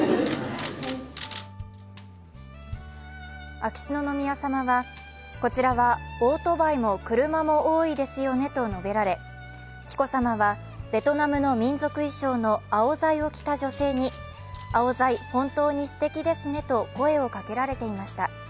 秋篠宮さまは、こちらはオートバイも車も多いですよねと述べられ、紀子さまはベトナムの民族衣装のアオザイを着た女性にアオザイ、本当にすてきですねと声をかけられていました。